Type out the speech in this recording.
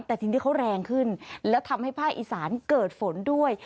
แต่ทีนี้เขาแรงขึ้นแล้วทำให้ภาคอีสานเกิดฝนด้วย